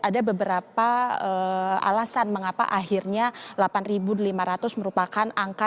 ada beberapa alasan mengapa akhirnya delapan lima ratus merupakan angka